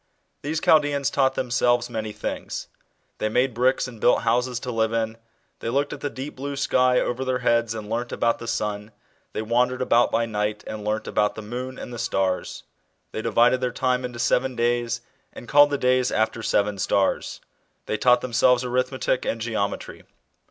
These Chaldeans taught themselves many things. They made bricks and built houses to live in, they looked at the deep blue sky over their heads and learnt about the sun ; they wandered about by night and learnt about the moon and the stars, they divided their time into seven days and called the days after seven stars, they taught themselves arithmetic and geometry.